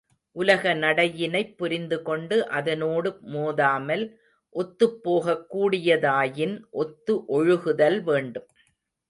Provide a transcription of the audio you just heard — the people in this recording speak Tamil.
உலக நடையினைப் புரிந்துகொண்டு அதனோடு மோதாமல் ஒத்துப் போகக் கூடியதாயின் ஒத்து ஒழுகுதல் வேண்டும்.